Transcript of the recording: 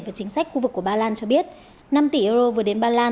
và chính sách khu vực của ba lan cho biết năm tỷ euro vừa đến ba lan